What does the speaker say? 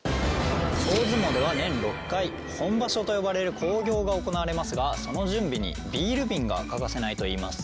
大相撲では年６回本場所と呼ばれる興行が行われますがその準備にビール瓶が欠かせないといいます。